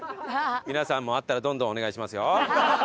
皆さんもあったらどんどんお願いしますよ。